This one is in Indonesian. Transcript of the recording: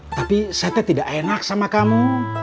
tapi saya tidak enak sama kamu